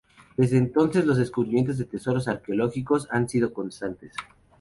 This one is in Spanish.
Desde entonces los descubrimientos de tesoros arqueológicos han sido constantes.